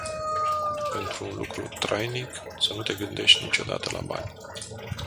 Pentru un lucru trainic să nu te gândești niciodată la bani.